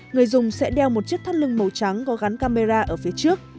người dùng sẽ đeo một chiếc thắt lưng màu trắng có gắn camera ở phía trước